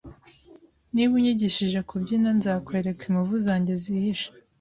Niba unyigishije kubyina, nzakwereka inkovu zanjye zihishe.